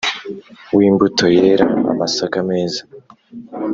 w' imbuto yera amasaka meza